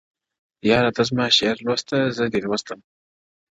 ه ياره تا زما شعر لوسته زه دي لــوســتم _